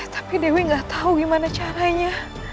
tapi dewi gak tau gimana caranya